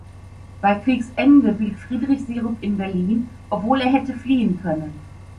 Bei Kriegsende blieb Friedrich Syrup in Berlin, obwohl er hätte fliehen können.